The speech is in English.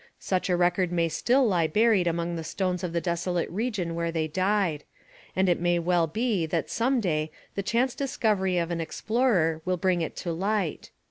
Such a record may still lie buried among the stones of the desolate region where they died, and it may well be that some day the chance discovery of an explorer will bring it to light.